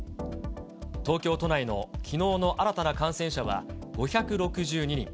東京都内のきのうの新たな感染者は５６２人。